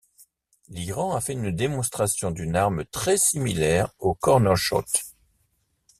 L'Iran a fait une démonstration d'une arme très similaire au CornerShot.